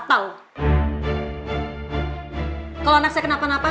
kalau anak saya kenapa napa